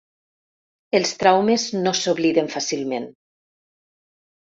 Els traumes no s’obliden fàcilment.